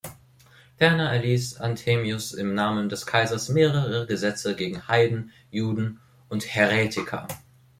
Ferner erließ Anthemius im Namen des Kaisers mehrere Gesetze gegen Heiden, Juden und "Häretiker".